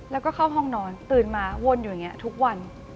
แล้วก็เข้าห้องนอนตื่นมาวนอยู่อย่างนี้ทุกวัน